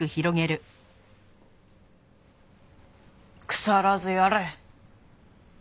腐らずやれ！